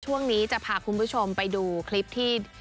ช่วงนี้จะพาคุณผู้ชมไปดูคลิปที่